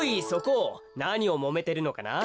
なにをもめてるのかな？